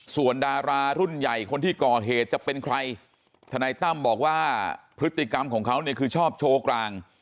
ส่วนดารารุ่นใหญ่คนที่ก่อเหตุจะเป็นใครทนายตั้มบอกว่าพฤติกรรมของเขาเนี่ยคือชอบโชว์กลาง